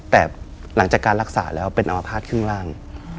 แต่หลังจากการรักษาแล้วเป็นอมภาษณ์ครึ่งล่าง